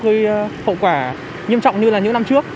gây hậu quả nghiêm trọng như là những năm trước